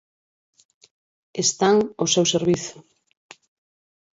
Están ao seu servizo.